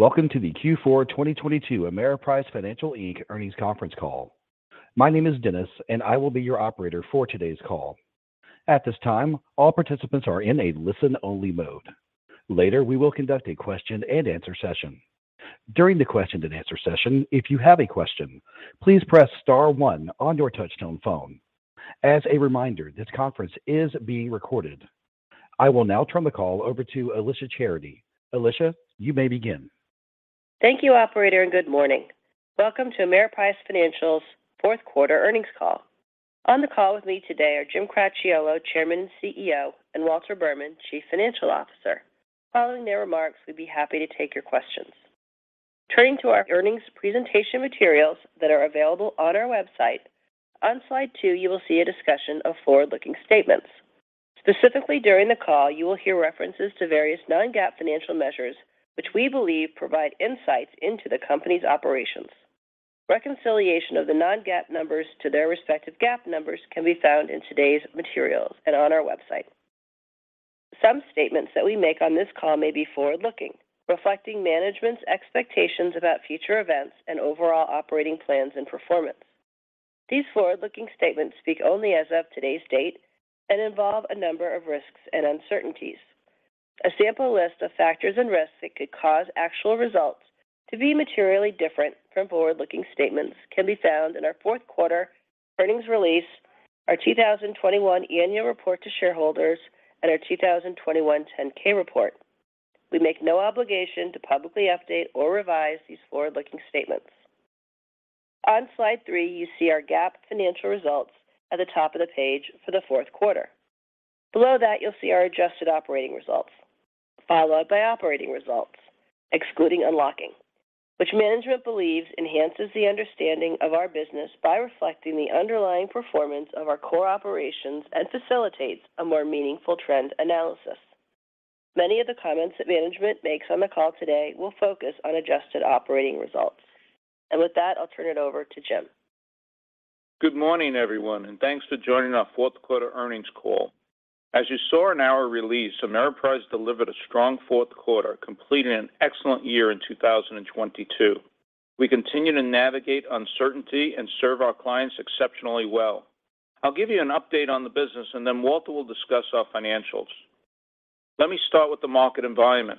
Welcome to the Q4 2022 Ameriprise Financial Inc. earnings conference call. My name is Dennis, I will be your operator for today's call. At this time, all participants are in a listen-only mode. Later, we will conduct a question-and-answer session. During the question-and-answer session, if you have a question, please press star one on your touchtone phone. As a reminder, this conference is being recorded. I will now turn the call over to Alicia Charity. Alicia, you may begin. Thank you, operator, and good morning. Welcome to Ameriprise Financial's fourth quarter earnings call. On the call with me today are James Cracchiolo, Chairman and CEO, and Walter Berman, Chief Financial Officer. Following their remarks, we'd be happy to take your questions. Turning to our earnings presentation materials that are available on our website, on slide two you will see a discussion of forward-looking statements. Specifically during the call, you will hear references to various non-GAAP financial measures which we believe provide insights into the company's operations. Reconciliation of the non-GAAP numbers to their respective GAAP numbers can be found in today's materials and on our website. Some statements that we make on this call may be forward-looking, reflecting management's expectations about future events and overall operating plans and performance. These forward-looking statements speak only as of today's date and involve a number of risks and uncertainties. A sample list of factors and risks that could cause actual results to be materially different from forward-looking statements can be found in our fourth quarter earnings release, our 2021 annual report to shareholders, and our 2021 10-K report. We make no obligation to publicly update or revise these forward-looking statements. On slide three, you see our GAAP financial results at the top of the page for the fourth quarter. Below that, you'll see our adjusted operating results, followed by operating results, excluding unlocking, which management believes enhances the understanding of our business by reflecting the underlying performance of our core operations and facilitates a more meaningful trend analysis. Many of the comments that management makes on the call today will focus on adjusted operating results. With that, I'll turn it over to James. Good morning, everyone, thanks for joining our fourth quarter earnings call. As you saw in our release, Ameriprise delivered a strong fourth quarter, completing an excellent year in 2022. We continue to navigate uncertainty and serve our clients exceptionally well. I'll give you an update on the business, Walter will discuss our financials. Let me start with the market environment.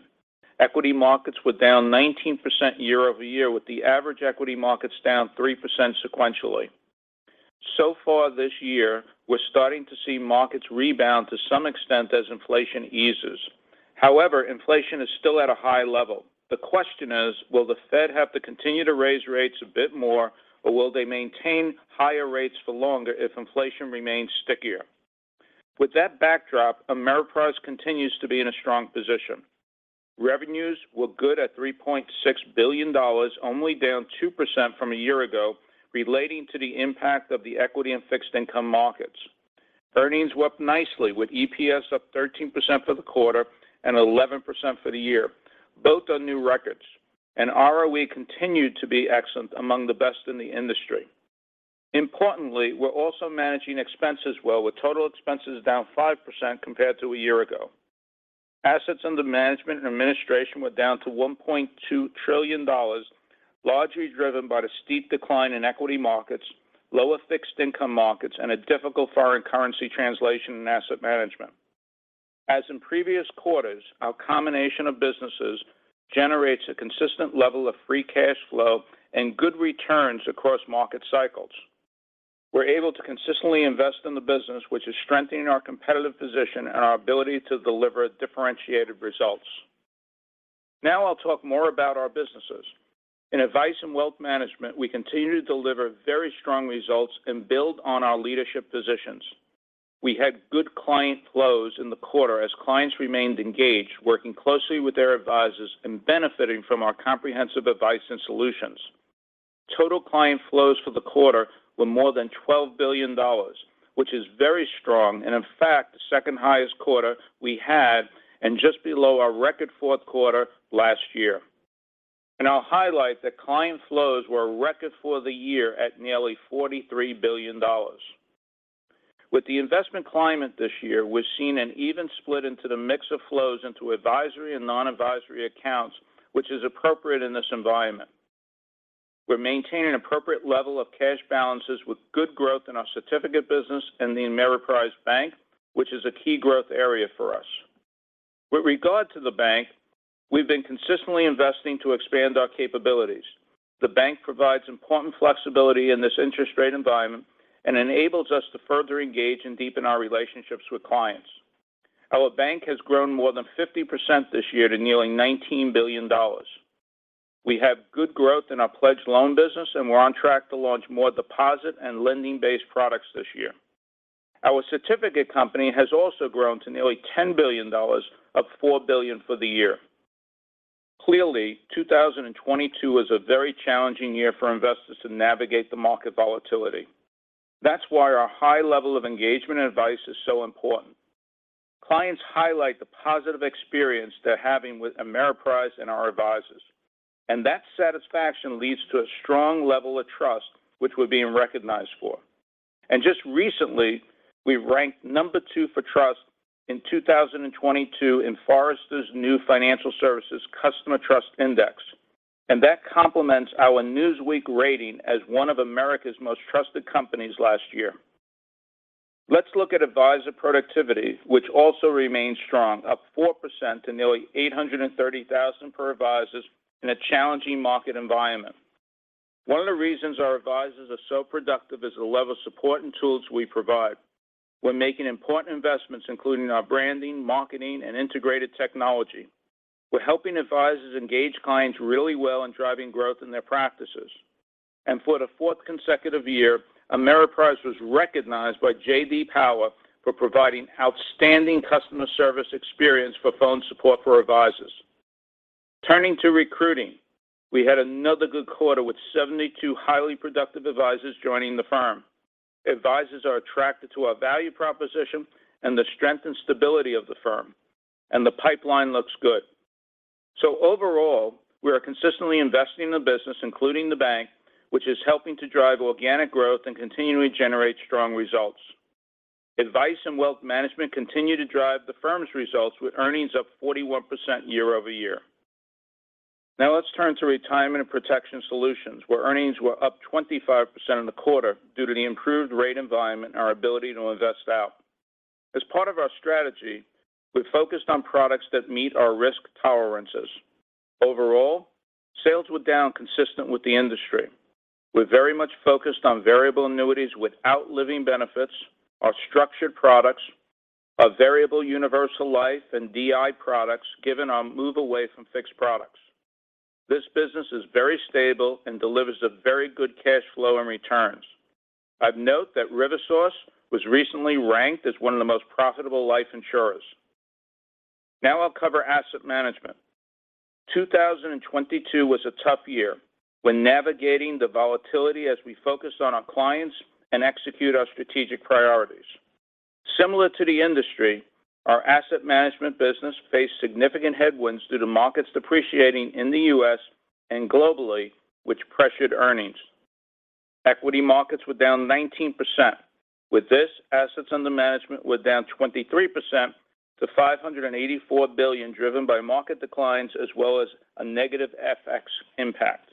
Equity markets were down 19% year-over-year, with the average equity markets down 3% sequentially. Far this year, we're starting to see markets rebound to some extent as inflation eases. Inflation is still at a high level. The question is, will the Fed have to continue to raise rates a bit more, or will they maintain higher rates for longer if inflation remains stickier? With that backdrop, Ameriprise continues to be in a strong position. Revenues were good at $3.6 billion, only down 2% from a year ago, relating to the impact of the equity and fixed income markets. Earnings worked nicely, with EPS up 13% for the quarter and 11% for the year. Both are new records. ROE continued to be excellent, among the best in the industry. Importantly, we're also managing expenses well, with total expenses down 5% compared to a year ago. Assets under management and administration were down to $1.2 trillion, largely driven by the steep decline in equity markets, lower fixed income markets, and a difficult foreign currency translation in asset management. As in previous quarters, our combination of businesses generates a consistent level of free cash flow and good returns across market cycles. We're able to consistently invest in the business, which is strengthening our competitive position and our ability to deliver differentiated results. Now I'll talk more about our businesses. In Advice & Wealth Management, we continue to deliver very strong results and build on our leadership positions. We had good client flows in the quarter as clients remained engaged, working closely with their advisors and benefiting from our comprehensive advice and solutions. Total client flows for the quarter were more than $12 billion, which is very strong and in fact the second highest quarter we had and just below our record fourth quarter last year. I'll highlight that client flows were a record for the year at nearly $43 billion. With the investment climate this year, we've seen an even split into the mix of flows into advisory and non-advisory accounts, which is appropriate in this environment. We maintain an appropriate level of cash balances with good growth in our certificate business and the Ameriprise Bank, which is a key growth area for us. With regard to the bank, we've been consistently investing to expand our capabilities. The bank provides important flexibility in this interest rate environment and enables us to further engage and deepen our relationships with clients. Our bank has grown more than 50% this year to nearly $19 billion. We have good growth in our pledge loan business, and we're on track to launch more deposit and lending-based products this year. Our certificate company has also grown to nearly $10 billion, up $4 billion for the year. Clearly, 2022 was a very challenging year for investors to navigate the market volatility. That's why our high level of engagement and advice is so important. Clients highlight the positive experience they're having with Ameriprise and our advisors. That satisfaction leads to a strong level of trust which we're being recognized for. Just recently, we ranked number two for trust in 2022 in Forrester's new Financial Services Customer Trust Index. That complements our Newsweek rating as one of America's most trusted companies last year. Let's look at advisor productivity, which also remains strong, up 4% to nearly $830,000 per advisors in a challenging market environment. One of the reasons our advisors are so productive is the level of support and tools we provide. We're making important investments, including our branding, marketing, and integrated technology. We're helping advisors engage clients really well in driving growth in their practices. For the fourth consecutive year, Ameriprise was recognized by J.D. Power for providing outstanding customer service experience for phone support for advisors. Turning to recruiting, we had another good quarter with 72 highly productive advisors joining the firm. Advisors are attracted to our value proposition and the strength and stability of the firm, and the pipeline looks good. Overall, we are consistently investing in the business, including the bank, which is helping to drive organic growth and continually generate strong results. Advice & Wealth Management continue to drive the firm's results with earnings up 41% year-over-year. Let's turn to Retirement & Protection Solutions, where earnings were up 25% in the quarter due to the improved rate environment and our ability to invest out. As part of our strategy, we focused on products that meet our risk tolerances. Overall, sales were down consistent with the industry. We're very much focused on variable annuities without living benefits, our structured products, our variable universal life, and DI products, given our move away from fixed products. This business is very stable and delivers a very good cash flow and returns. I'd note that RiverSource was recently ranked as one of the most profitable life insurers. Now I'll cover asset management. 2022 was a tough year when navigating the volatility as we focus on our clients and execute our strategic priorities. Similar to the industry, our asset management business faced significant headwinds due to markets depreciating in the U.S. and globally, which pressured earnings. Equity markets were down 19%. With this, assets under management were down 23% to $584 billion, driven by market declines as well as a negative FX impact.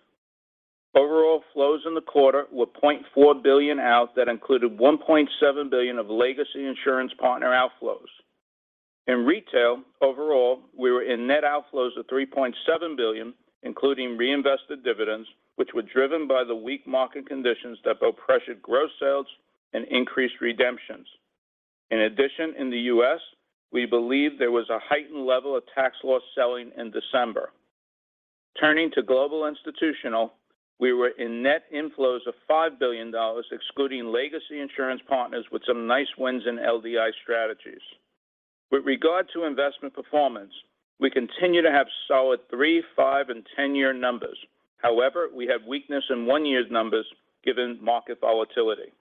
Overall flows in the quarter were $0.4 billion out. That included $1.7 billion of legacy insurance partner outflows. In retail, overall, we were in net outflows of $3.7 billion, including reinvested dividends, which were driven by the weak market conditions that both pressured gross sales and increased redemptions. In addition, in the U.S., we believe there was a heightened level of tax loss selling in December. Turning to global institutional, we were in net inflows of $5 billion, excluding legacy insurance partners with some nice wins in LDI strategies. With regard to investment performance, we continue to have solid three, five, and 10-year numbers. However, we have weakness in one year's numbers given market volatility.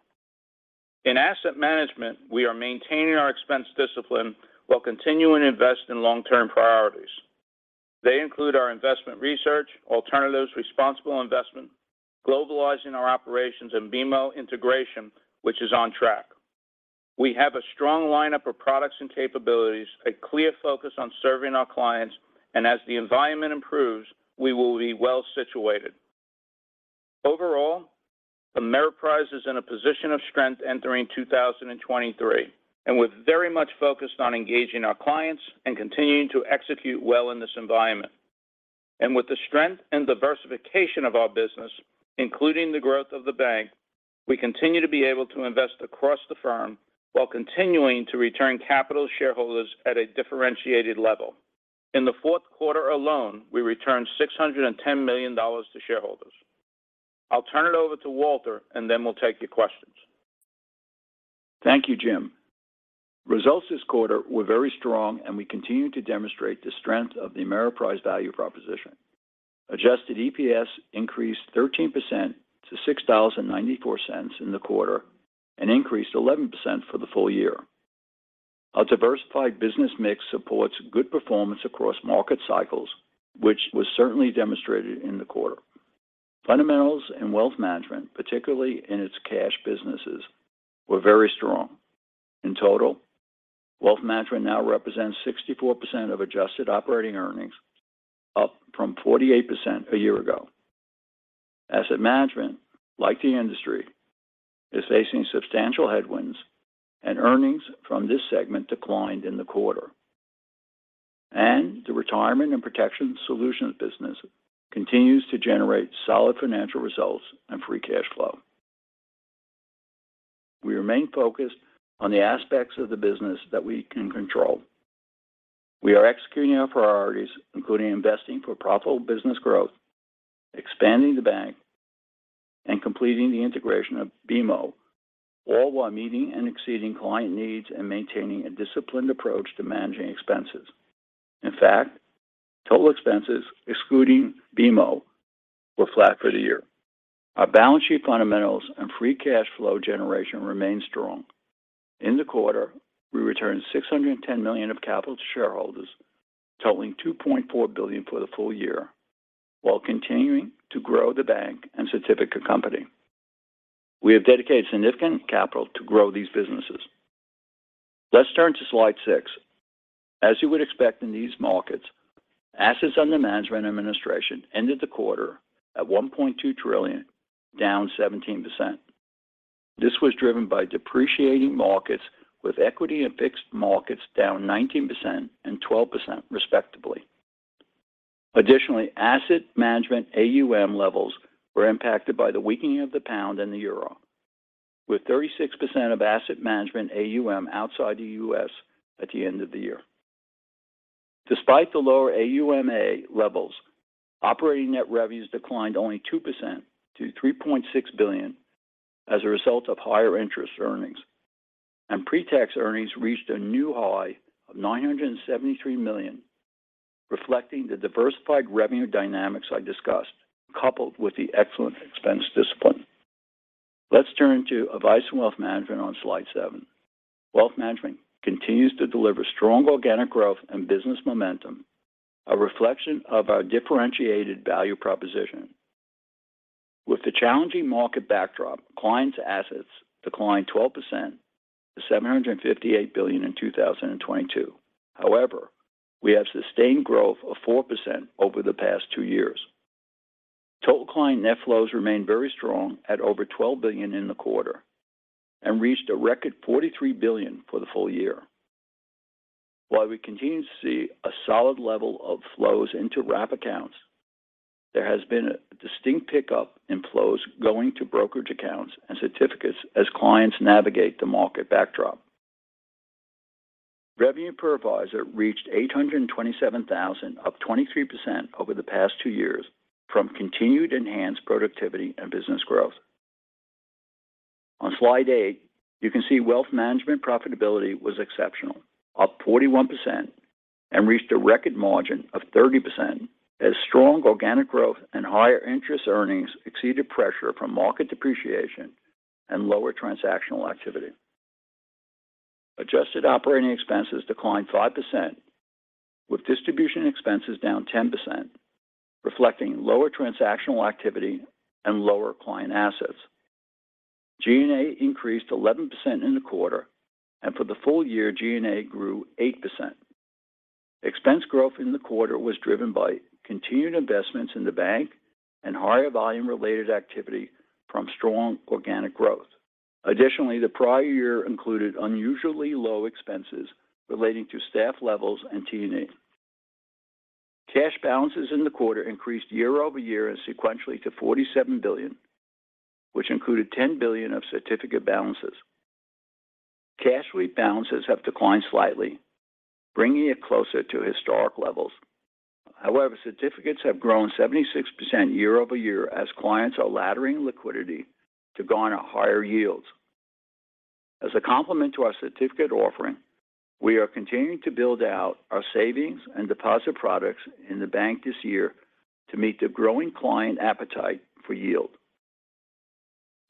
In asset management, we are maintaining our expense discipline while continuing to invest in long-term priorities. They include our investment research, alternatives, responsible investment, globalizing our operations, and BMO integration, which is on track. We have a strong lineup of products and capabilities, a clear focus on serving our clients, and as the environment improves, we will be well situated. Overall, Ameriprise is in a position of strength entering 2023, and we're very much focused on engaging our clients and continuing to execute well in this environment. With the strength and diversification of our business, including the growth of the bank, we continue to be able to invest across the firm while continuing to return capital to shareholders at a differentiated level. In the fourth quarter alone, we returned $610 million to shareholders. I'll turn it over to Walter, and then we'll take your questions. Thank you, James. Results this quarter were very strong, and we continue to demonstrate the strength of the Ameriprise value proposition. Adjusted EPS increased 13% to $6.94 in the quarter and increased 11% for the full year. Our diversified business mix supports good performance across market cycles, which was certainly demonstrated in the quarter. Fundamentals in wealth management, particularly in its cash businesses, were very strong. In total, wealth management now represents 64% of adjusted operating earnings, up from 48% a year ago. Asset management, like the industry, is facing substantial headwinds, and earnings from this segment declined in the quarter. The Retirement & Protection Solutions business continues to generate solid financial results and free cash flow. We remain focused on the aspects of the business that we can control. We are executing our priorities, including investing for profitable business growth, expanding the bank, and completing the integration of BMO, all while meeting and exceeding client needs and maintaining a disciplined approach to managing expenses. In fact, total expenses excluding BMO were flat for the year. Our balance sheet fundamentals and free cash flow generation remain strong. In the quarter, we returned $610 million of capital to shareholders, totaling $2.4 billion for the full year while continuing to grow the bank and certificate company. We have dedicated significant capital to grow these businesses. Let's turn to slide six. As you would expect in these markets, assets under management administration ended the quarter at $1.2 trillion, down 17%. This was driven by depreciating markets with equity and fixed markets down 19% and 12% respectively. Asset management AUM levels were impacted by the weakening of the pound and the euro, with 36% of asset management AUM outside the U.S. at the end of the year. Despite the lower AUMA levels, operating net revenues declined only 2% to $3.6 billion as a result of higher interest earnings, pre-tax earnings reached a new high of $973 million, reflecting the diversified revenue dynamics I discussed, coupled with the excellent expense discipline. Let's turn to Advice & Wealth Management on slide seven. Wealth management continues to deliver strong organic growth and business momentum, a reflection of our differentiated value proposition. With the challenging market backdrop, clients' assets declined 12% to $758 billion in 2022. We have sustained growth of 4% over the past two years. Total client net flows remain very strong at over $12 billion in the quarter and reached a record $43 billion for the full year. While we continue to see a solid level of flows into wrap accounts, there has been a distinct pickup in flows going to brokerage accounts and certificates as clients navigate the market backdrop. Revenue per advisor reached $827,000, up 23% over the past two years from continued enhanced productivity and business growth. On slide eight, you can see wealth management profitability was exceptional, up 41% and reached a record margin of 30% as strong organic growth and higher interest earnings exceeded pressure from market depreciation and lower transactional activity. Adjusted operating expenses declined 5%, with distribution expenses down 10%, reflecting lower transactional activity and lower client assets. G&A increased 11% in the quarter. For the full year, G&A grew 8%. Expense growth in the quarter was driven by continued investments in the bank and higher volume-related activity from strong organic growth. Additionally, the prior year included unusually low expenses relating to staff levels and T&A. Cash balances in the quarter increased year-over-year and sequentially to $47 billion, which included $10 billion of certificate balances. Cash sweep balances have declined slightly, bringing it closer to historic levels. Certificates have grown 76% year-over-year as clients are laddering liquidity to garner higher yields. As a complement to our certificate offering, we are continuing to build out our savings and deposit products in the bank this year to meet the growing client appetite for yield.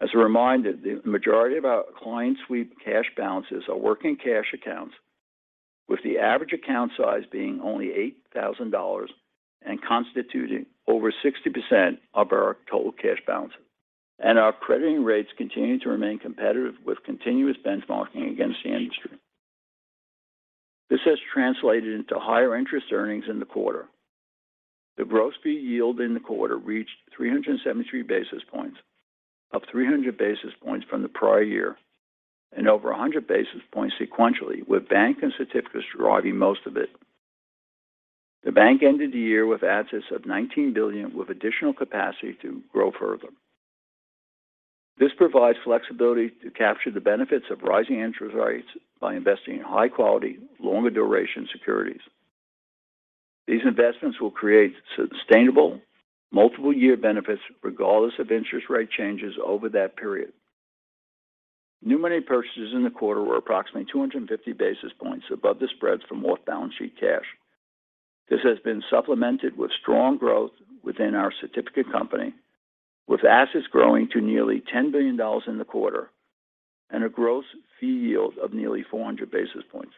As a reminder, the majority of our client sweep cash balances are working cash accounts, with the average account size being only $8,000 and constituting over 60% of our total cash balances. Our crediting rates continue to remain competitive with continuous benchmarking against the industry. This has translated into higher interest earnings in the quarter. The gross fee yield in the quarter reached 373 basis points, up 300 basis points from the prior year and over 100 basis points sequentially, with bank and certificates driving most of it. The bank ended the year with assets of $19 billion, with additional capacity to grow further. This provides flexibility to capture the benefits of rising interest rates by investing in high quality, longer duration securities. These investments will create sustainable multiple year benefits regardless of interest rate changes over that period. New money purchases in the quarter were approximately 250 basis points above the spreads from off-balance sheet cash. This has been supplemented with strong growth within our certificate company, with assets growing to nearly $10 billion in the quarter and a gross fee yield of nearly 400 basis points.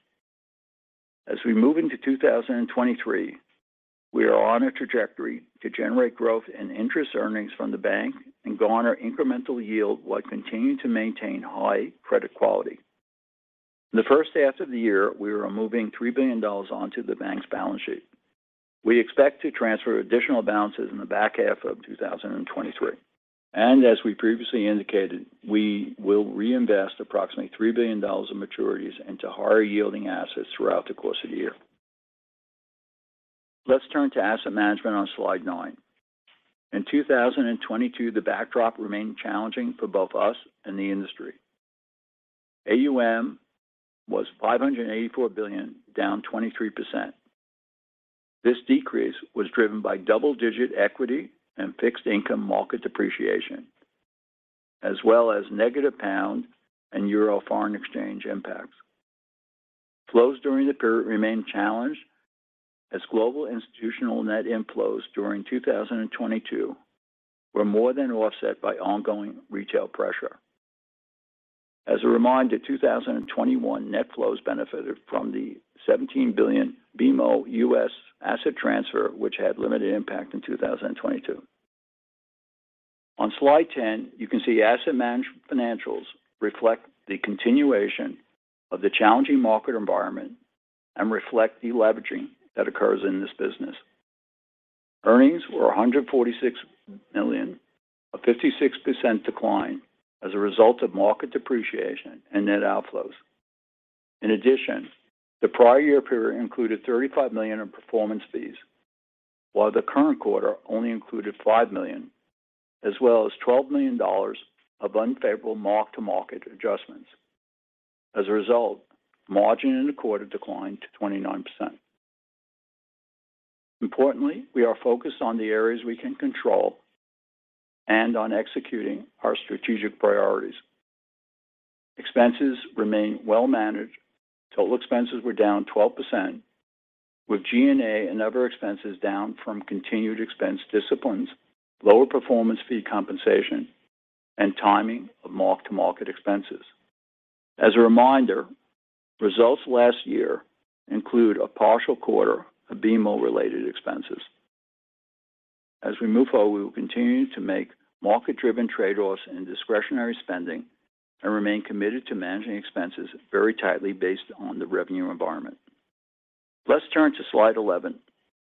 As we move into 2023, we are on a trajectory to generate growth in interest earnings from the bank and garner incremental yield while continuing to maintain high credit quality. In the first half of the year, we are moving $3 billion onto the bank's balance sheet. We expect to transfer additional balances in the back half of 2023. As we previously indicated, we will reinvest approximately $3 billion in maturities into higher yielding assets throughout the course of the year. Let's turn to asset management on slide nine. In 2022, the backdrop remained challenging for both us and the industry. AUM was $584 billion, down 23%. This decrease was driven by double-digit equity and fixed income market depreciation, as well as negative GBP and EUR foreign exchange impacts. Flows during the period remained challenged as global institutional net inflows during 2022 were more than offset by ongoing retail pressure. As a reminder, 2021 net flows benefited from the $17 billion BMO U.S. asset transfer which had limited impact in 2022. On slide 10, you can see asset management financials reflect the continuation of the challenging market environment and reflect deleveraging that occurs in this business. Earnings were $146 million, a 56% decline as a result of market depreciation and net outflows. The prior year period included $35 million in performance fees, while the current quarter only included $5 million, as well as $12 million of unfavorable mark-to-market adjustments. Margin in the quarter declined to 29%. Importantly, we are focused on the areas we can control and on executing our strategic priorities. Expenses remain well managed. Total expenses were down 12%, with G&A and other expenses down from continued expense disciplines, lower performance fee compensation, and timing of mark-to-market expenses. As a reminder, results last year include a partial quarter of BMO related expenses. As we move forward, we will continue to make market-driven trade-offs in discretionary spending and remain committed to managing expenses very tightly based on the revenue environment. Let's turn to slide 11.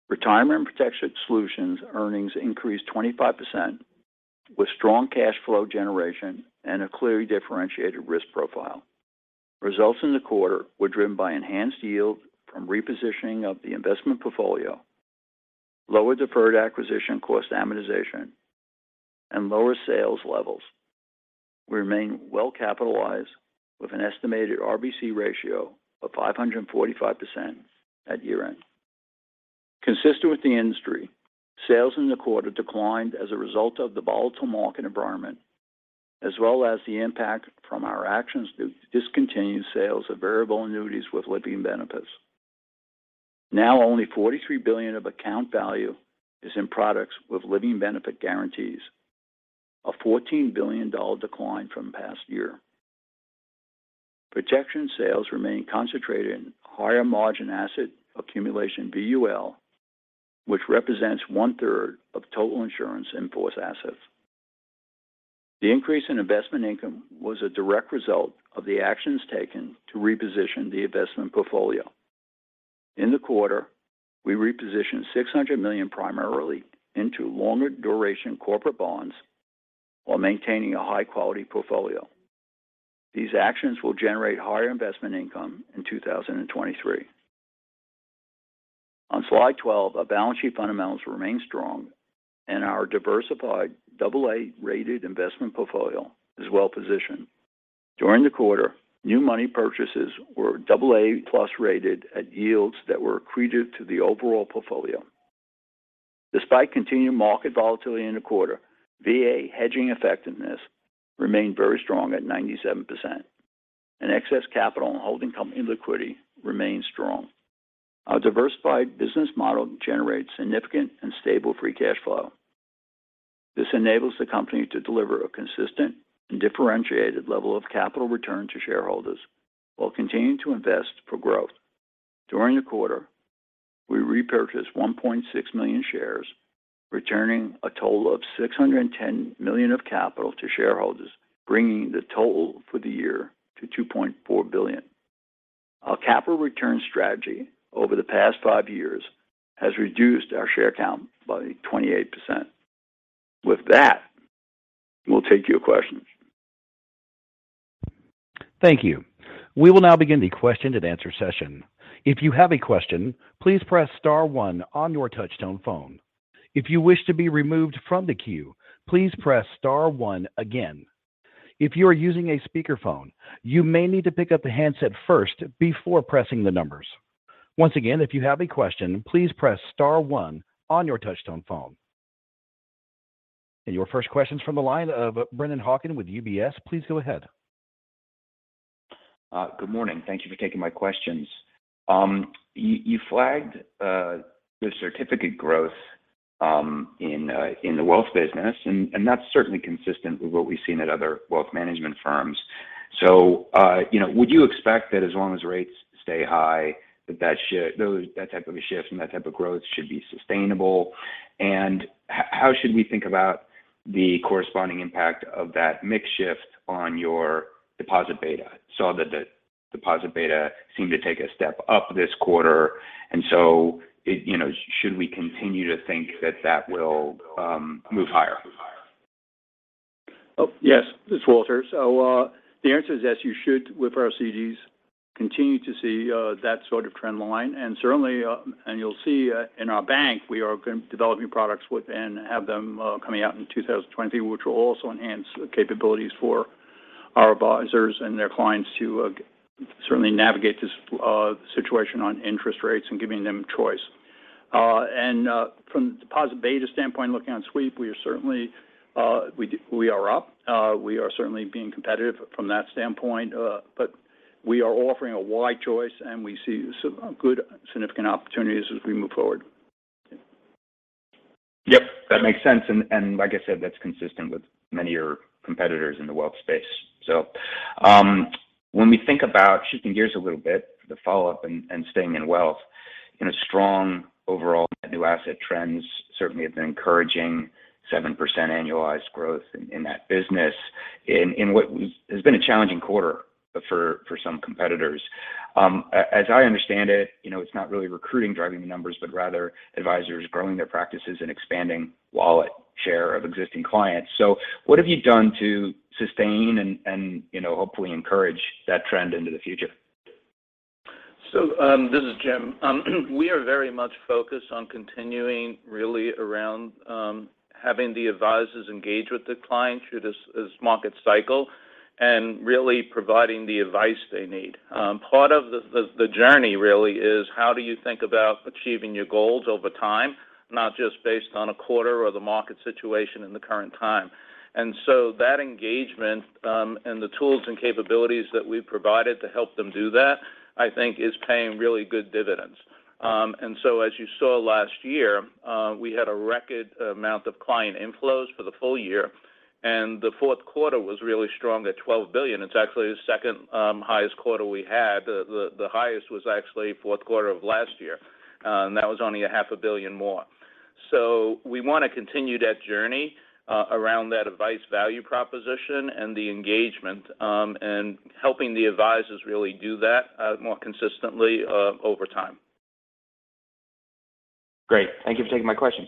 Retirement & Protection Solutions earnings increased 25% with strong cash flow generation and a clearly differentiated risk profile. Results in the quarter were driven by enhanced yield from repositioning of the investment portfolio, lower deferred acquisition cost amortization, and lower sales levels. We remain well-capitalized with an estimated RBC ratio of 545% at year-end. Consistent with the industry, sales in the quarter declined as a result of the volatile market environment as well as the impact from our actions to discontinue sales of variable annuities with living benefits. Now only $43 billion of account value is in products with living benefit guarantees, a $14 billion decline from past year. Protection sales remain concentrated in higher margin asset accumulation VUL, which represents 1/3 of total insurance in-force assets. The increase in investment income was a direct result of the actions taken to reposition the investment portfolio. In the quarter, we repositioned $600 million primarily into longer duration corporate bonds while maintaining a high-quality portfolio. These actions will generate higher investment income in 2023. On slide 12, our balance sheet fundamentals remain strong and our diversified AA-rated investment portfolio is well-positioned. During the quarter, new money purchases were AA+ rated at yields that were accretive to the overall portfolio. Despite continued market volatility in the quarter, VA hedging effectiveness remained very strong at 97%. Excess capital and holding company liquidity remains strong. Our diversified business model generates significant and stable free cash flow. This enables the company to deliver a consistent and differentiated level of capital return to shareholders while continuing to invest for growth. During the quarter, we repurchased 1.6 million shares, returning a total of $610 million of capital to shareholders, bringing the total for the year to $2.4 billion. Our capital return strategy over the past 5 years has reduced our share count by 28%. With that, we'll take your questions. Thank you. We will now begin the question and answer session. If you have a question, please press star one on your touch-tone phone. If you wish to be removed from the queue, please press star one again. If you are using a speakerphone, you may need to pick up the handset first before pressing the numbers. Once again, if you have a question, please press star one on your touch-tone phone. Your first question's from the line of Brennan Hawken with UBS. Please go ahead. Good morning. Thank you for taking my questions. You flagged the certificate growth in the wealth business, and that's certainly consistent with what we've seen at other wealth management firms. You know, would you expect that as long as rates stay high that that type of a shift and that type of growth should be sustainable? How should we think about the corresponding impact of that mix shift on your deposit beta? Saw that the deposit beta seemed to take a step up this quarter, and so, it, you know, should we continue to think that that will move higher? Yes. This is Walter. The answer is yes, you should with our CDs continue to see that sort of trend line. Certainly, and you'll see in our bank, we are developing products with and have them coming out in 2023, which will also enhance the capabilities for our advisors and their clients to certainly navigate this situation on interest rates and giving them choice. From the deposit beta standpoint, looking on sweep, we are certainly, we are up. We are certainly being competitive from that standpoint. We are offering a wide choice, and we see so good significant opportunities as we move forward. Yep, that makes sense. Like I said, that's consistent with many of your competitors in the wealth space. When we think about shooting gears a little bit for the follow-up and staying in wealth, a strong overall net new asset trends certainly have been encouraging 7% annualized growth in that business in what has been a challenging quarter for some competitors. As I understand it, you know, it's not really recruiting driving the numbers, but rather advisors growing their practices and expanding wallet share of existing clients. What have you done to sustain and, you know, hopefully encourage that trend into the future? This is James. We are very much focused on continuing really around having the advisors engage with the client through this market cycle and really providing the advice they need. Part of the journey really is how do you think about achieving your goals over time, not just based on a quarter or the market situation in the current time. That engagement and the tools and capabilities that we've provided to help them do that, I think is paying really good dividends. As you saw last year, we had a record amount of client inflows for the full year, and the fourth quarter was really strong at $12 billion. It's actually the second highest quarter we had. The highest was actually fourth quarter of last year, and that was only a half a billion more. We want to continue that journey around that advice-value proposition and the engagement and helping the advisors really do that more consistently over time. Great. Thank you for taking my questions.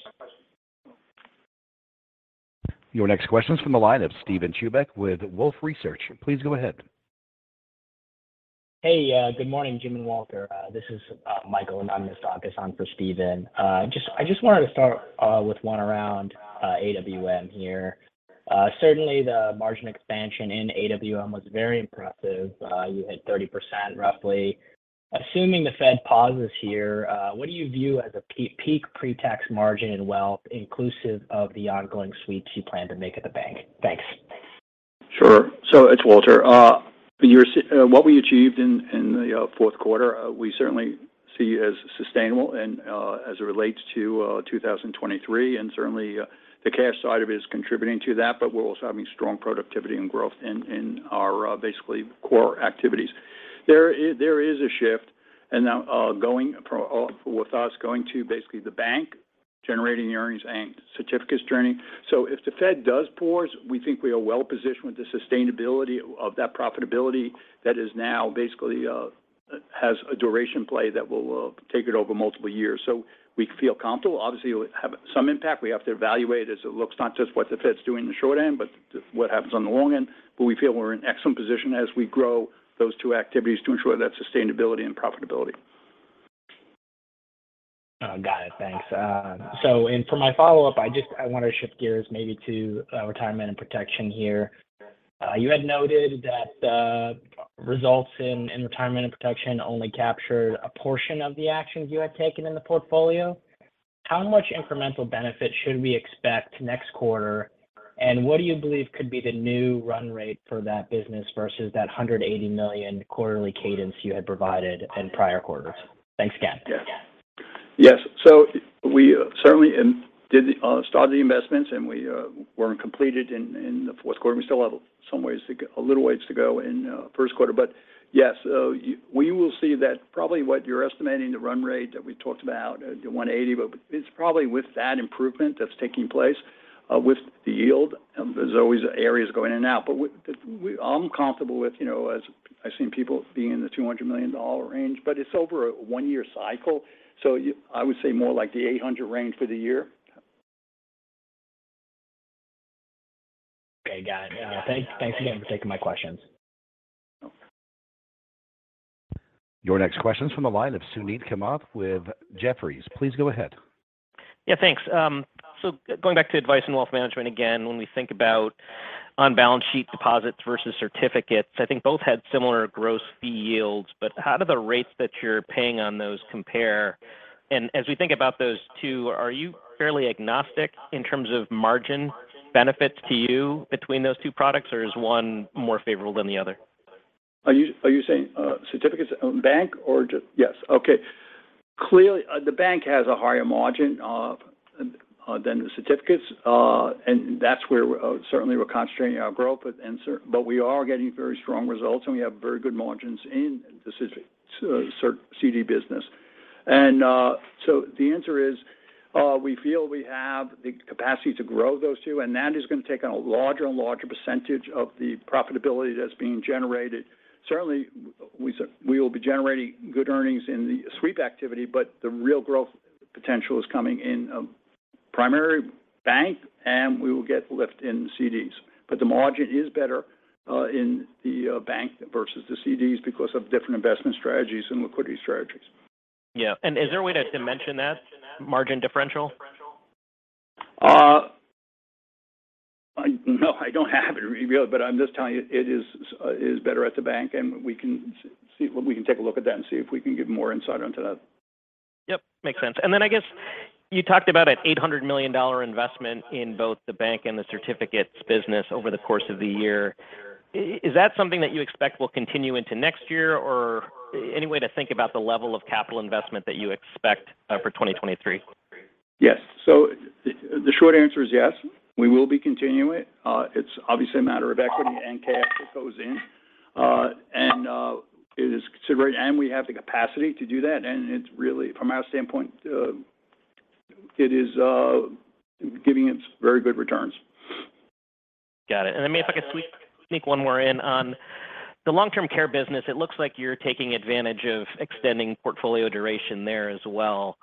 Your next question is from the line of Steven Chubak with Wolfe Research. Please go ahead. Good morning, James and Walter. This is Michael Anagnostakis on for Steven. I just wanted to start with one around AWM here. Certainly the margin expansion in AWM was very impressive. You had 30% roughly. Assuming the Fed pauses here, what do you view as a peak pre-tax margin in wealth inclusive of the ongoing sweeps you plan to make at the bank? Thanks. Sure. It's Walter. What we achieved in the fourth quarter, we certainly see as sustainable and as it relates to 2023. Certainly the cash side of it is contributing to that. We're also having strong productivity and growth in our basically core activities. There is a shift going with us going to basically the bank, generating the earnings and certificates journey. If the Fed does pause, we think we are well positioned with the sustainability of that profitability that is now basically has a duration play that will take it over multiple years. We feel comfortable. Obviously, it will have some impact. We have to evaluate as it looks not just what the Fed's doing in the short end, but what happens on the long end. We feel we're in excellent position as we grow those two activities to ensure that sustainability and profitability. Oh, got it. Thanks. For my follow-up, I want to shift gears maybe to Retirement and Protection here. You had noted that the results in Retirement and Protection only captured a portion of the actions you had taken in the portfolio. How much incremental benefit should we expect next quarter? What do you believe could be the new run rate for that business versus that $180 million quarterly cadence you had provided in prior quarters? Thanks again. Yes. We certainly did start the investments, and we weren't completed in the fourth quarter. We still have a little ways to go in first quarter. Yes, we will see that probably what you're estimating the run rate that we talked about, the $180, but it's probably with that improvement that's taking place with the yield. There's always areas going in and out. I'm comfortable with, you know, as I've seen people be in the $200 million range, but it's over a one-year cycle. I would say more like the $800 range for the year. Okay. Got it. Thanks. Thanks again for taking my questions. Your next question is from the line of Suneet Kamath with Jefferies. Please go ahead. Yeah, thanks. going back to Advice & Wealth Management again, when we think about on-balance sheet deposits versus certificates, I think both had similar gross fee yields. How do the rates that you're paying on those compare? As we think about those two, are you fairly agnostic in terms of margin benefits to you between those two products, or is one more favorable than the other? Are you saying certificates own bank or just... Yes. Okay. Clearly, the bank has a higher margin than the certificates. That's where certainly we're concentrating our growth. But we are getting very strong results, and we have very good margins in this CD business. The answer is, we feel we have the capacity to grow those two, and that is going to take on a larger and larger percentage of the profitability that's being generated. Certainly, we will be generating good earnings in the sweep activity, but the real growth potential is coming in primary bank, and we will get lift in CDs. The margin is better in the bank versus the CDs because of different investment strategies and liquidity strategies. Yeah. Is there a way to dimension that margin differential? No, I don't have it revealed, but I'm just telling you it is better at the bank, and we can take a look at that and see if we can give more insight into that. Yep, makes sense. I guess you talked about an $800 million investment in both the bank and the certificates business over the course of the year. Is that something that you expect will continue into next year? Any way to think about the level of capital investment that you expect for 2023? Yes. The short answer is yes, we will be continuing it. It's obviously a matter of equity and cash that goes in. It is considered, and we have the capacity to do that. It's really, from our standpoint, it is giving it very good returns. Got it. Then maybe if I could sneak one more in. On the long-term care business, it looks like you're taking advantage of extending portfolio duration there as well.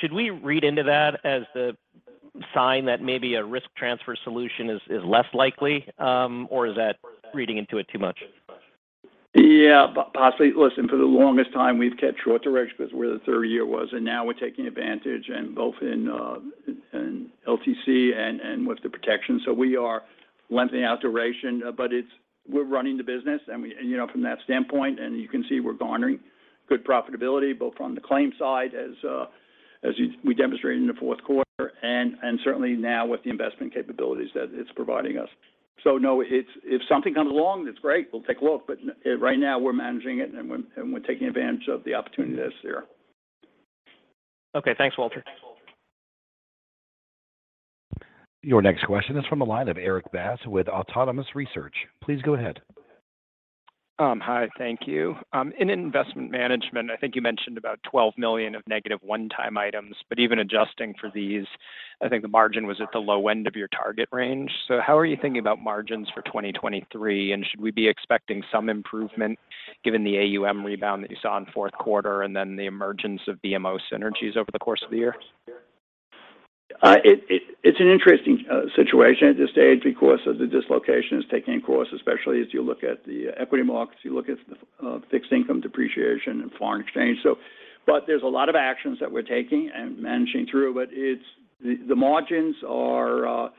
Should we read into that as the sign that maybe a risk transfer solution is less likely, or is that reading into it too much? Yeah, possibly. Listen, for the longest time, we've kept short duration because we're the third year was, and now we're taking advantage both in LTC and with the protection. We are lengthening out duration, but it's we're running the business and we, you know, from that standpoint, and you can see we're garnering good profitability, both on the claim side as we demonstrated in the fourth quarter, and certainly now with the investment capabilities that it's providing us. No, it's if something comes along, that's great. We'll take a look. Right now we're managing it and we're taking advantage of the opportunity that's there. Okay. Thanks, Walter. Your next question is from the line of Erik Bass with Autonomous Research. Please go ahead. Hi. Thank you. In investment management, I think you mentioned about $12 million of -1 -time items, but even adjusting for these, I think the margin was at the low end of your target range. How are you thinking about margins for 2023, should we be expecting some improvement given the AUM rebound that you saw in fourth quarter and then the emergence of BMO synergies over the course of the year? It's an interesting situation at this stage because of the dislocation it's taking course, especially as you look at the equity markets, you look at the fixed income depreciation and foreign exchange. But there's a lot of actions that we're taking and managing through. But it's the margins are,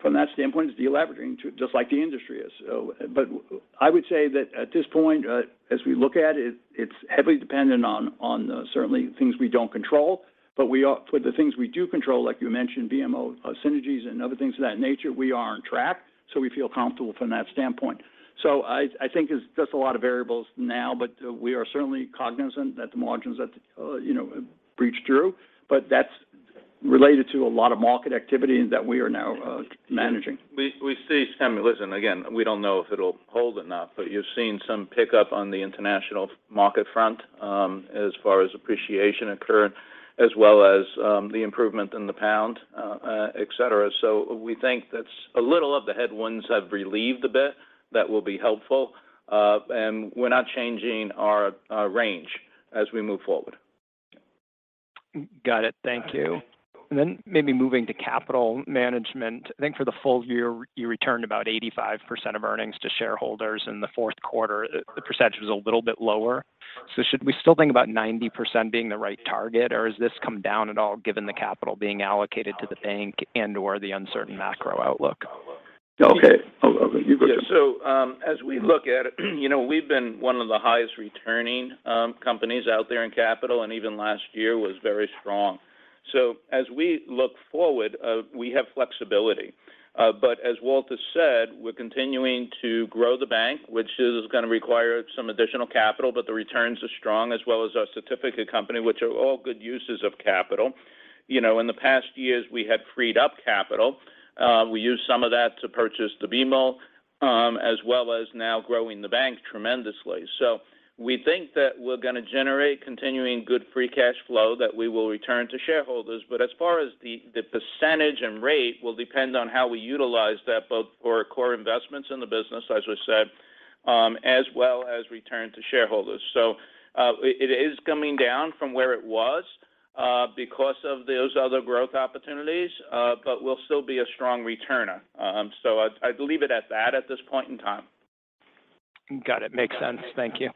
from that standpoint, it's deleveraging to just like the industry is. But I would say that at this point, as we look at it's heavily dependent on certainly things we don't control. But for the things we do control, like you mentioned, BMO synergies and other things of that nature, we are on track, so we feel comfortable from that standpoint. I think there's just a lot of variables now, but we are certainly cognizant that the margins that, you know, breach through. That's related to a lot of market activity that we are now managing. We see some. Listen, again, we don't know if it'll hold or not, but you've seen some pickup on the international market front, as far as appreciation and current, as well as, the improvement in the pound, et cetera. We think that's a little of the headwinds have relieved a bit that will be helpful. We're not changing our range as we move forward. Got it. Thank you. Maybe moving to capital management. I think for the full year, you returned about 85% of earnings to shareholders in the fourth quarter. The percentage was a little bit lower. Should we still think about 90% being the right target, or has this come down at all given the capital being allocated to the bank and/or the uncertain macro outlook? Okay. Oh, okay. You go ahead. As we look at it, you know, we've been one of the highest returning companies out there in capital, and even last year was very strong. As we look forward, we have flexibility. But as Walter said, we're continuing to grow the bank, which is going to require some additional capital, but the returns are strong, as well as our certificate company, which are all good uses of capital. You know, in the past years, we had freed up capital. We used some of that to purchase the BMO, as well as now growing the bank tremendously. We think that we're going to generate continuing good free cash flow that we will return to shareholders. As far as the % and rate will depend on how we utilize that both for our core investments in the business, as we said, as well as return to shareholders. It is coming down from where it was, because of those other growth opportunities, but we'll still be a strong returner. I'd leave it at that at this point in time. Got it. Makes sense. Thank you.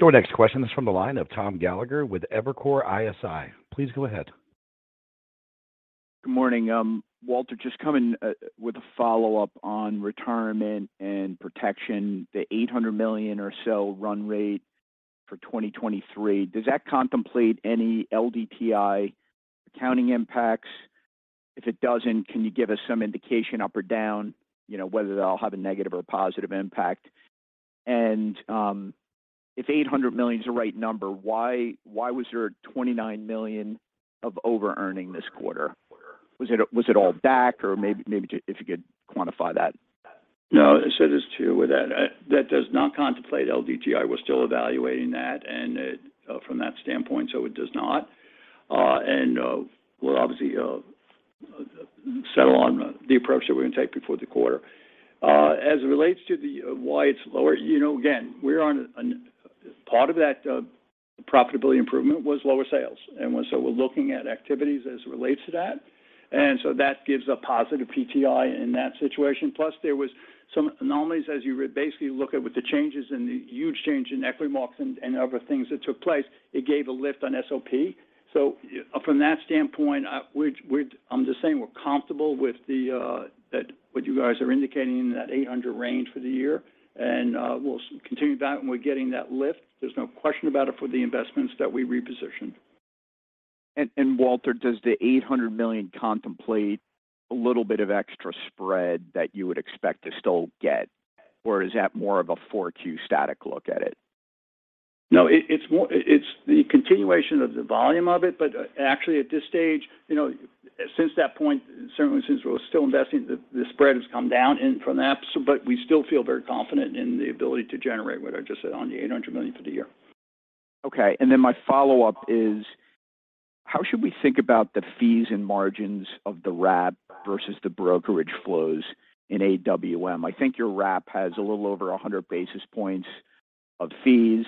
Your next question is from the line of Thomas Gallagher with Evercore ISI. Please go ahead. Good morning. Walter, just coming with a follow-up on Retirement and Protection, the $800 million or so run rate for 2023. Does that contemplate any LDTI accounting impacts? If it doesn't, can you give us some indication up or down, you know, whether they all have a negative or positive impact? If $800 million is the right number, why was there $29 million of overearning this quarter? Was it all back or maybe if you could quantify that. No, as it is too. That does not contemplate LDTI. We're still evaluating that, and from that standpoint, it does not. We'll obviously settle on the approach that we're going to take before the quarter. As it relates to the why it's lower, you know, again, we're on part of that profitability improvement was lower sales. We're looking at activities as it relates to that. That gives a positive PTI in that situation. Plus, there was some anomalies as you basically look at with the changes and the huge change in equity markets and other things that took place. It gave a lift on SOP. Yeah, from that standpoint, I'm just saying we're comfortable with the that what you guys are indicating in that $800 range for the year. We'll continue that when we're getting that lift. There's no question about it for the investments that we repositioned. Walter, does the $800 million contemplate a little bit of extra spread that you would expect to still get? Or is that more of a Q4 static look at it? No, it's the continuation of the volume of it. Actually at this stage, you know, since that point, certainly since we're still investing, the spread has come down and from that. We still feel very confident in the ability to generate what I just said on the $800 million for the year. Okay. Then my follow-up is: how should we think about the fees and margins of the wrap versus the brokerage flows in AWM? I think your wrap has a little over 100 basis points of fees.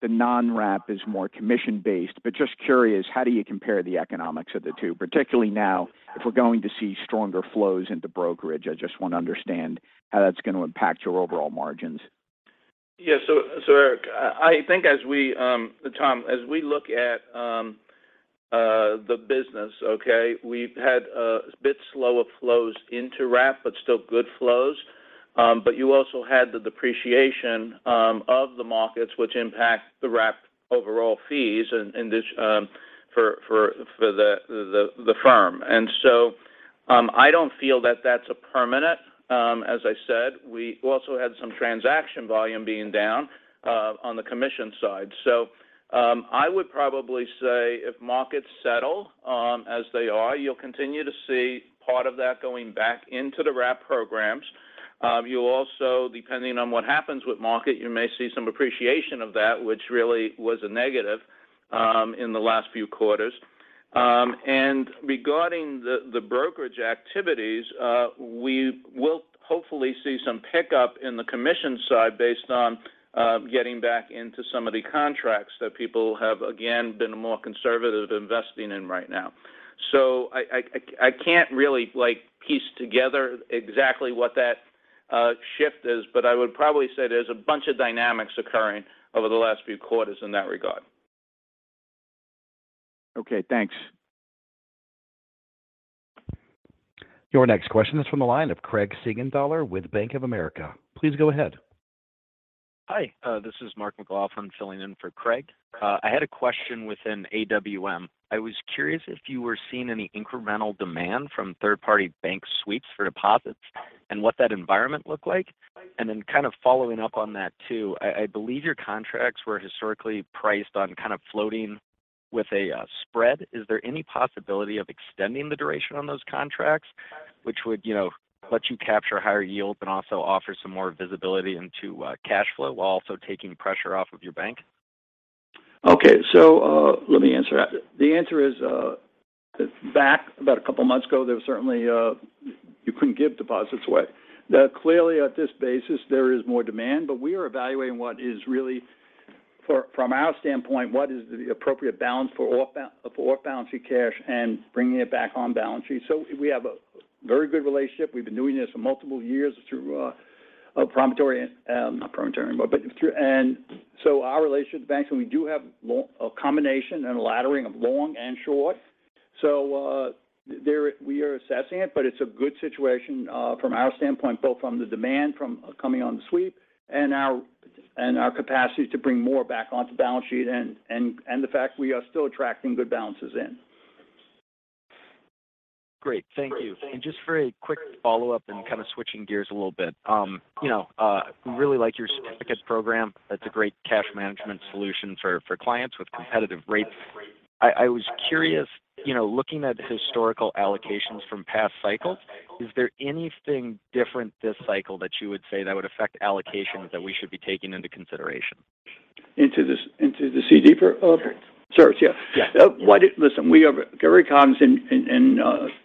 The non-wrap is more commission-based. Just curious, how do you compare the economics of the two, particularly now if we're going to see stronger flows into brokerage? I just want to understand how that's going to impact your overall margins. I think as we, Thomas, as we look at the business, okay, we've had a bit slower flows into wrap, but still good flows. You also had the depreciation of the markets which impact the wrap overall fees in this for the firm. I don't feel that that's a permanent. As I said, we also had some transaction volume being down on the commission side. I would probably say if markets settle as they are, you'll continue to see part of that going back into the wrap programs. You'll also, depending on what happens with market, you may see some appreciation of that, which really was a negative in the last few quarters. Regarding the brokerage activities, we will hopefully see some pickup in the commission side based on getting back into some of the contracts that people have, again, been more conservative investing in right now. I can't really like piece together exactly what that shift is. I would probably say there's a bunch of dynamics occurring over the last few quarters in that regard. Okay, thanks. Your next question is from the line of Craig Siegenthaler with Bank of America. Please go ahead. Hi, this is Mark McLaughlin filling in for Craig. I had a question within AWM. I was curious if you were seeing any incremental demand from third-party bank suites for deposits and what that environment looked like. Kind of following up on that too. I believe your contracts were historically priced on kind of floating with a spread. Is there any possibility of extending the duration on those contracts which would, you know, let you capture higher yields and also offer some more visibility into cash flow while also taking pressure off of your bank? Okay. let me answer that. The answer is back about a couple of months ago, there was certainly you couldn't give deposits away. Clearly at this basis there is more demand. We are evaluating what is really from our standpoint, what is the appropriate balance for off-balance sheet cash and bringing it back on balance sheet. We have a very good relationship. We've been doing this for multiple years through Promontory and not Promontory anymore, but through. Our relationship with banks, and we do have a combination and a laddering of long and short. We are assessing it, but it's a good situation from our standpoint, both from the demand from coming on the sweep and our capacity to bring more back onto balance sheet and the fact we are still attracting good balances in. Great. Thank you. Just for a quick follow-up and kind of switching gears a little bit, you know, really like your certificate program. That's a great cash management solution for clients with competitive rates. I was curious, you know, looking at historical allocations from past cycles, is there anything different this cycle that you would say that would affect allocations that we should be taking into consideration? Into this, into the CD per, Certs. Certs, yeah. Yeah. Listen, we are very cognizant in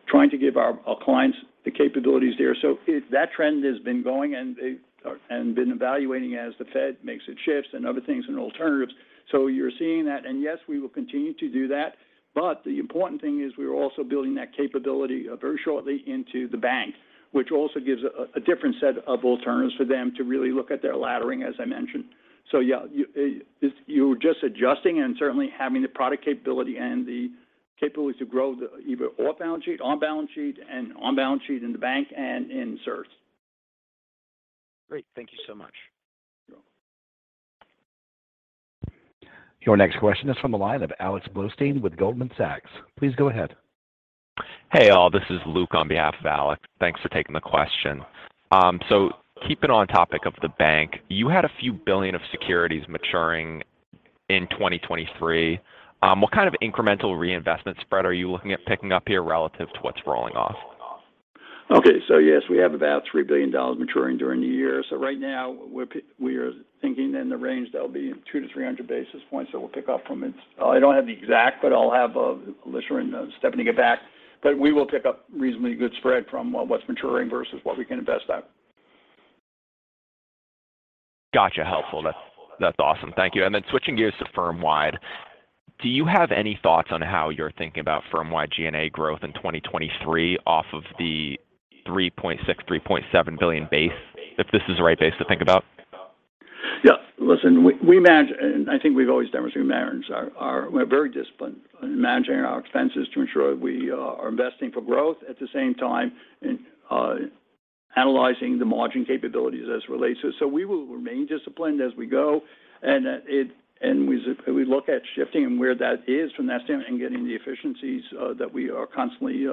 trying to give our clients the capabilities there. If that trend has been going and been evaluating as the Fed makes its shifts and other things and alternatives. You're seeing that. Yes, we will continue to do that. The important thing is we are also building that capability very shortly into the Bank, which also gives a different set of alternatives for them to really look at their laddering, as I mentioned. Yeah, you're just adjusting and certainly having the product capability and the capability to grow the either off balance sheet, on balance sheet and on balance sheet in the Bank and in certs. Great. Thank you so much. You're welcome. Your next question is from the line of Alexander Blostein with Goldman Sachs. Please go ahead. Hey, y'all, this is Luke on behalf of Alexander. Thanks for taking the question. Keeping on topic of the bank, you had a few billion of securities maturing in 2023. What kind of incremental reinvestment spread are you looking at picking up here relative to what's rolling off? Okay. Yes, we have about $3 billion maturing during the year. Right now we are thinking in the range that'll be 200-300 basis points. We'll pick up from its I don't have the exact, but I'll have Alicia and Stephanie get back. We will pick up reasonably good spread from what's maturing versus what we can invest at. Gotcha. Helpful. That's awesome. Thank you. Switching gears to firm wide. Do you have any thoughts on how you're thinking about firm wide G&A growth in 2023 off of the $3.6 billion-$3.7 billion base? If this is the right base to think about. Listen, we manage and I think we've always demonstrated margins are. We're very disciplined in managing our expenses to ensure we are investing for growth at the same time and analyzing the margin capabilities as it relates to it. We will remain disciplined as we go, and we look at shifting and where that is from that standpoint and getting the efficiencies that we are constantly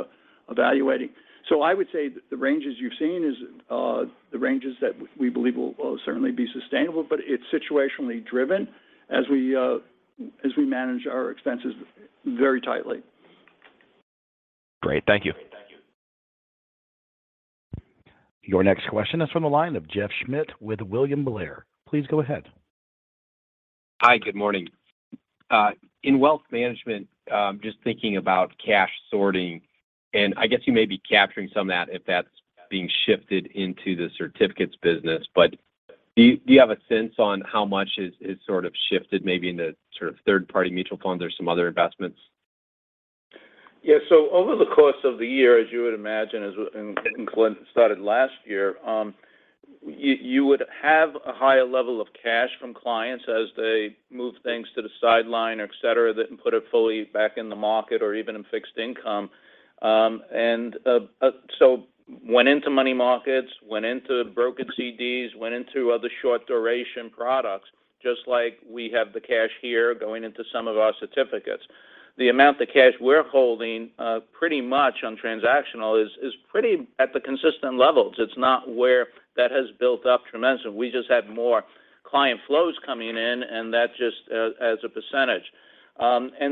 evaluating. I would say the ranges you've seen is the ranges that we believe will certainly be sustainable, but it's situationally driven as we manage our expenses very tightly. Great. Thank you. Your next question is from the line of Jeff Schmitt with William Blair. Please go ahead. Hi, good morning. In wealth management, just thinking about cash sorting, and I guess you may be capturing some of that if that's being shifted into the certificates business. Do you have a sense on how much is shifted maybe into third-party mutual funds or some other investments? Yeah. Over the course of the year, as you would imagine, as and including started last year, you would have a higher level of cash from clients as they move things to the sideline, et cetera, that can put it fully back in the market or even in fixed income. Went into money markets, went into broken CDs, went into other short duration products, just like we have the cash here going into some of our certificates. The amount of cash we're holding pretty much on transactional is pretty at the consistent levels. It's not where that has built up tremendously. We just had more client flows coming in, and that just as a percentage.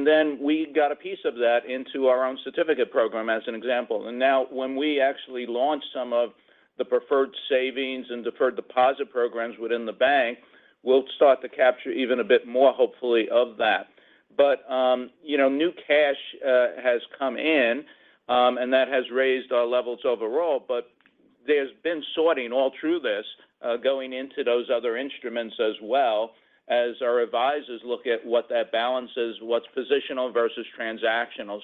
Then we got a piece of that into our own certificate program as an example. Now when we actually launch some of the preferred savings and deferred deposit programs within the bank, we'll start to capture even a bit more, hopefully, of that. You know, new cash has come in, and that has raised our levels overall, but there's been sorting all through this, going into those other instruments as well as our advisors look at what that balance is, what's positional versus transactional.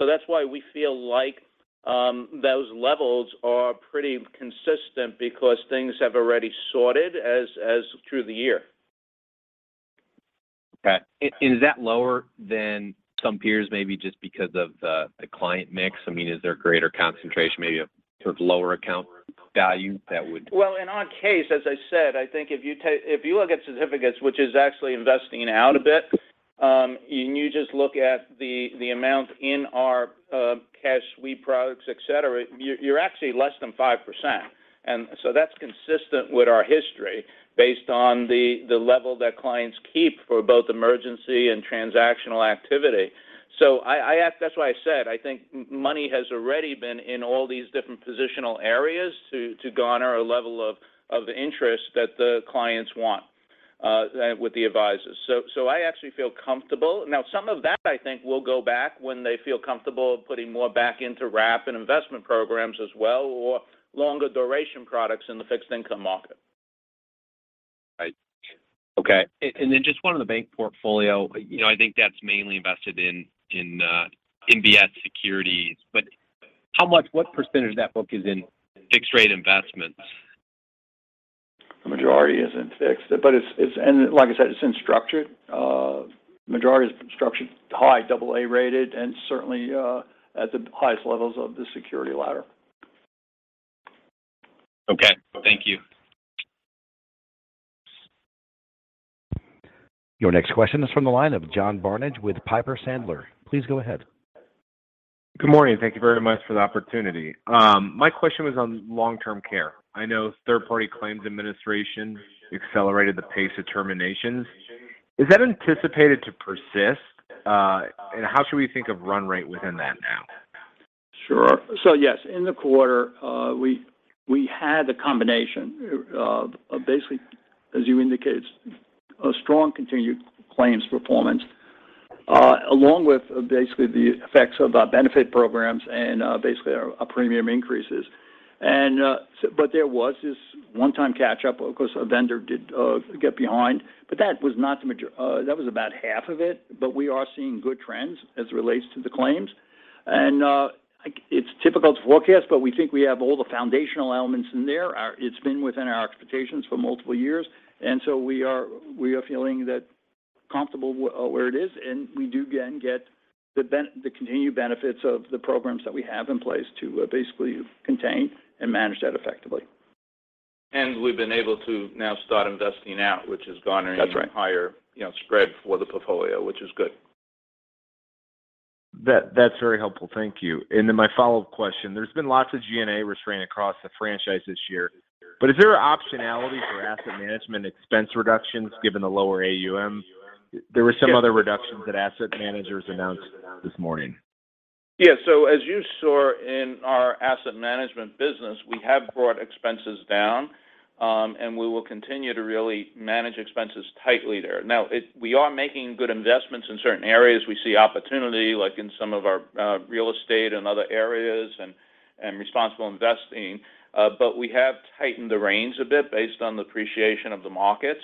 That's why we feel like those levels are pretty consistent because things have already sorted through the year. Okay. Is that lower than some peers, maybe just because of the client mix? I mean, is there a greater concentration, maybe a sort of lower account value? In our case, as I said, I think if you look at certificates, which is actually investing out a bit, and you just look at the amount in our cash sweep products, et cetera, you're actually less than 5%. That's consistent with our history based on the level that clients keep for both emergency and transactional activity. That's why I said I think money has already been in all these different positional areas to garner a level of interest that the clients want with the advisors. I actually feel comfortable. Some of that I think will go back when they feel comfortable putting more back into wrap and investment programs as well, or longer duration products in the fixed income market. Right. Okay. Then just one on the bank portfolio. You know, I think that's mainly invested in MBS securities. What % of that book is in fixed-rate investments? The majority is in fixed, but it's. Like I said, it's in structured. Majority is structured high AA-rated and certainly at the highest levels of the security ladder. Okay. Thank you. Your next question is from the line of John Barnidge with Piper Sandler. Please go ahead. Good morning. Thank you very much for the opportunity. My question was on long-term care. I know third-party claims administration accelerated the pace of terminations. Is that anticipated to persist? How should we think of run rate within that now? Sure. Yes, in the quarter, we had a combination of basically, as you indicate, a strong continued claims performance along with basically the effects of our benefit programs and basically our premium increases. There was this one-time catch-up because a vendor did get behind. That was not the major that was about half of it. We are seeing good trends as it relates to the claims. It's difficult to forecast, but we think we have all the foundational elements in there. It's been within our expectations for multiple years, we are feeling that comfortable where it is, and we do, again, get the continued benefits of the programs that we have in place to basically contain and manage that effectively. We've been able to now start investing out, which has gone. That's right.... higher, you know, spread for the portfolio, which is good. That's very helpful. Thank you. My follow-up question. There's been lots of G&A restraint across the franchise this year. Is there an optionality for asset management expense reductions given the lower AUM? There were some other reductions that asset managers announced this morning. As you saw in our asset management business, we have brought expenses down, we will continue to really manage expenses tightly there. We are making good investments in certain areas. We see opportunity, like in some of our real estate and other areas and responsible investing. We have tightened the reins a bit based on the appreciation of the markets.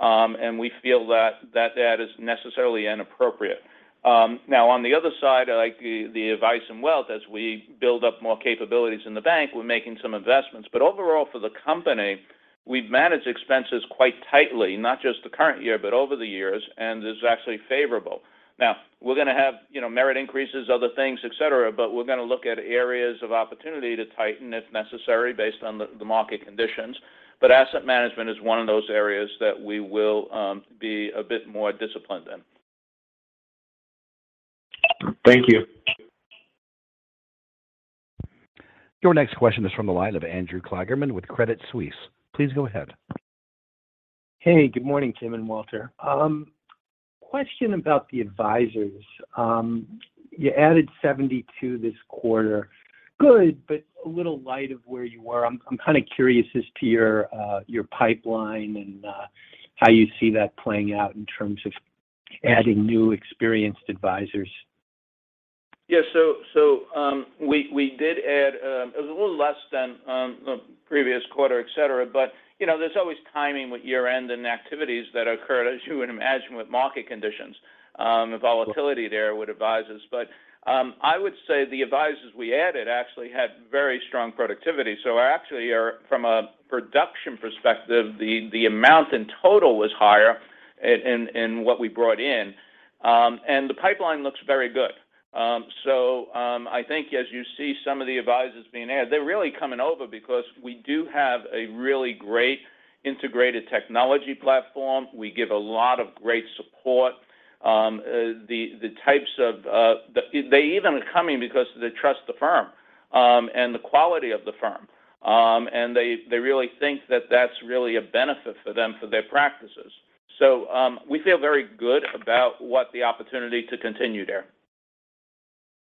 We feel that that data is necessarily inappropriate. Now on the other side, like the advice and wealth, as we build up more capabilities in the bank, we're making some investments. Overall for the company, we've managed expenses quite tightly, not just the current year, but over the years, and this is actually favorable. Now we're gonna have, you know, merit increases, other things, et cetera, but we're gonna look at areas of opportunity to tighten if necessary based on the market conditions. Asset management is one of those areas that we will be a bit more disciplined in. Thank you. Your next question is from the line of Andrew Kligerman with Credit Suisse. Please go ahead. Hey, good morning, James and Walter. Question about the advisors? You added 72 this quarter. Good, but a little light of where you were. I'm kind of curious as to your pipeline and how you see that playing out in terms of adding new experienced advisors. Yeah. So we did add, it was a little less than the previous quarter, et cetera, you know, there's always timing with year-end and activities that occurred, as you would imagine with market conditions, the volatility there with advisors. I would say the advisors we added actually had very strong productivity. Actually are from a production perspective, the amount in total was higher in what we brought in. The pipeline looks very good. I think as you see some of the advisors being added, they're really coming over because we do have a really great integrated technology platform. We give a lot of great support. The types of they even are coming because they trust the firm, the quality of the firm. They really think that's really a benefit for them, for their practices. We feel very good about what the opportunity to continue there.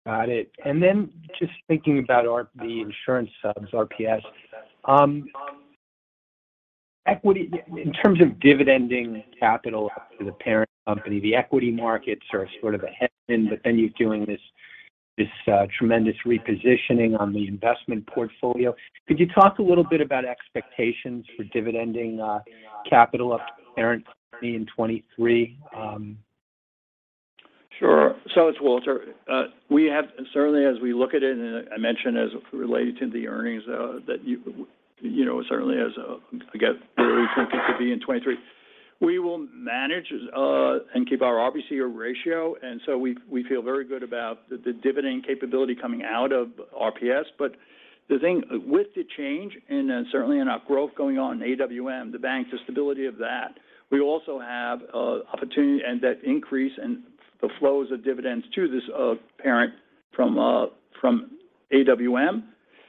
Got it. Just thinking about the insurance subs, RPS. In terms of dividending capital to the parent company, the equity markets are sort of ahead, but then you're doing this tremendous repositioning on the investment portfolio. Could you talk a little bit about expectations for dividending, capital of parent company in 2023? Sure. It's Walter. We have certainly as we look at it, and I mentioned as related to the earnings, that you know, certainly as again, really thinking to be in 2023, we will manage and keep our RBC or ratio. We, we feel very good about the dividend capability coming out of RPS. The thing with the change and certainly in our growth going on in AWM, the bank, the stability of that, we also have opportunity and that increase in the flows of dividends to this parent from from AWM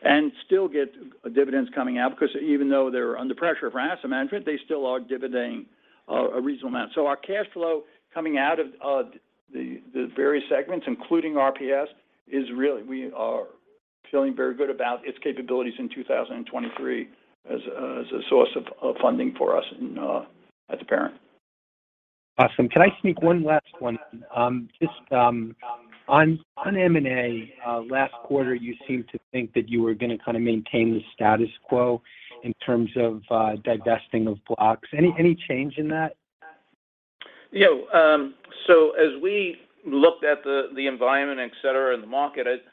and still get dividends coming out. Because even though they're under pressure for asset management, they still are dividending a reasonable amount. Our cash flow coming out of, the various segments, including RPS, is really we are feeling very good about its capabilities in 2023 as a source of funding for us and, as a parent. Awesome. Can I sneak one last one? Just on M&A, last quarter, you seemed to think that you were gonna kind of maintain the status quo in terms of, divesting of blocks. Any change in that? You know, As we looked at the environment, et cetera, and the market,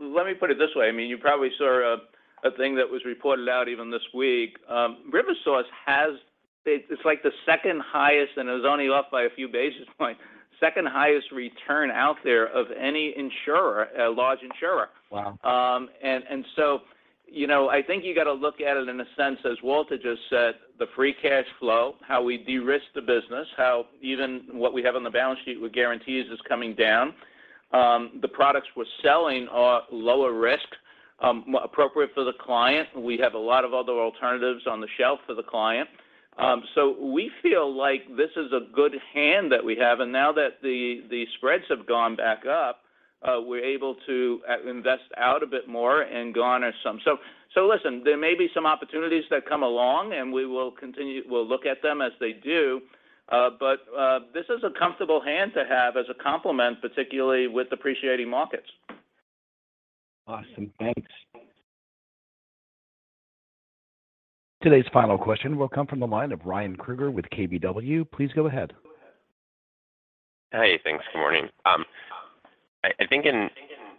Let me put it this way. I mean, you probably saw a thing that was reported out even this week. RiverSource has it's like the second highest, and it was only off by a few basis points, second highest return out there of any insurer, a large insurer. Wow. I think you got to look at it in a sense, as Walter just said, the free cash flow, how we de-risk the business, how even what we have on the balance sheet with guarantees is coming down. The products we're selling are lower risk, appropriate for the client. We have a lot of other alternatives on the shelf for the client. We feel like this is a good hand that we have. Now that the spreads have gone back up, we're able to invest out a bit more and garner some. There may be some opportunities that come along, and we will continue. We'll look at them as they do. This is a comfortable hand to have as a complement, particularly with appreciating markets. Awesome. Thanks. Today's final question will come from the line of Ryan Krueger with KBW. Please go ahead. Hey, thanks. Good morning. I think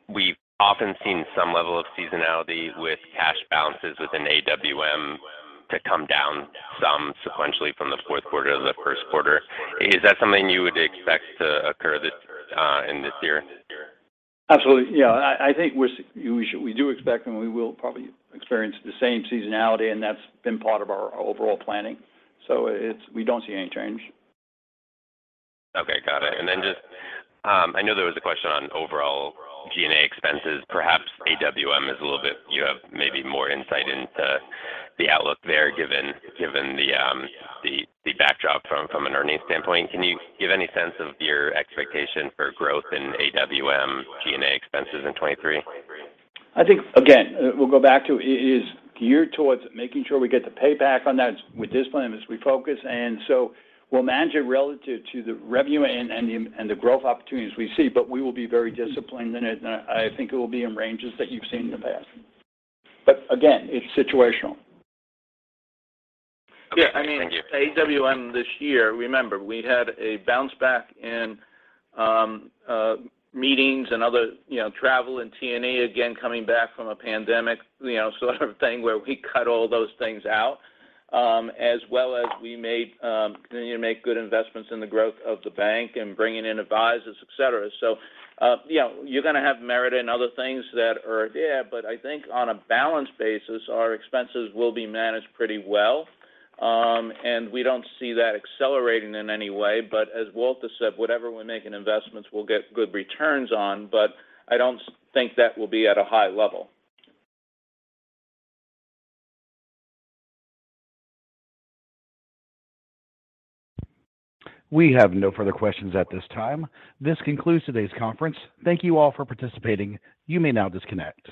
we've often seen some level of seasonality with cash balances within AWM to come down some sequentially from the fourth quarter to the first quarter. Is that something you would expect to occur this in this year? Absolutely. Yeah, I think we do expect and we will probably experience the same seasonality, and that's been part of our overall planning. We don't see any change. Okay. Got it. Just, I know there was a question on overall G&A expenses. Perhaps AWM is a little bit you have maybe more insight into the outlook there, given the backdrop from an earnings standpoint. Can you give any sense of your expectation for growth in AWM G&A expenses in 2023? I think again, we'll go back to it is geared towards making sure we get the payback on that with discipline as we focus. We'll manage it relative to the revenue and the, and the growth opportunities we see, but we will be very disciplined in it. I think it will be in ranges that you've seen in the past. Again, it's situational. Yeah. Thank you. AWM this year, remember, we had a bounce back in meetings and other, you know, travel and T&A, again, coming back from a pandemic, you know, sort of thing where we cut all those things out. As well as we made, you know, make good investments in the growth of the bank and bringing in advisors, et cetera. You know, you're going to have merit and other things that are, yeah. I think on a balance basis, our expenses will be managed pretty well. We don't see that accelerating in any way. As Walter said, whatever we're making investments, we'll get good returns on, but I don't think that will be at a high level. We have no further questions at this time. This concludes today's conference. Thank you all for participating. You may now disconnect.